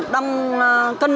đông cân trọng